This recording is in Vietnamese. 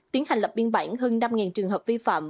tiến hành lập biên bản hơn năm trường hợp vi phạm